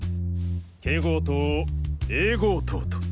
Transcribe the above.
Ｋ号棟をＡ号棟と。